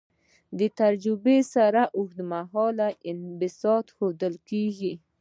دې تجربې سره د اوږدوالي انبساط ښودل کیږي.